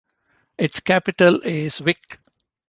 Its capital is Vic.